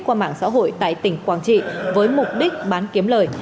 qua mạng xã hội tại tỉnh quảng trị với mục đích bán kiếm lời